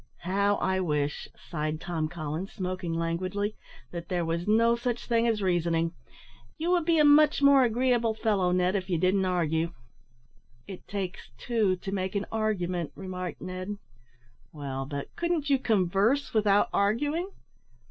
"How I wish," sighed Tom Collins, smoking languidly, "that there was no such thing as reasoning. You would be a much more agreeable fellow, Ned, if you didn't argue." "It takes two to make an argument," remarked Ned. "Well, but couldn't you converse without arguing?"